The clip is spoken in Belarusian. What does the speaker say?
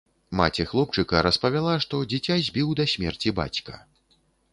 Маці хлопчыка распавяла, што дзіця збіў да смерці бацька.